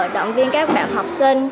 động viên các bạn học sinh